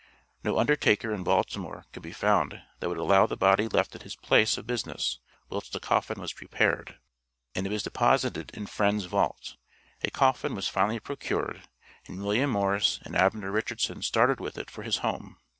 No undertaker in Baltimore could be found that would allow the body left at his place of business whilst a coffin was prepared, and it was deposited in "Friends'" vault; a coffin was finally procured and William Morris and Abner Richardson started with it for his home.